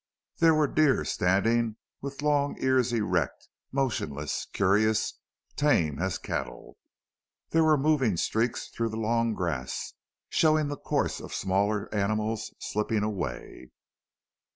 There were deer standing with long ears erect, motionless, curious, tame as cattle. There were moving streaks through the long grass, showing the course of smaller animals slipping away.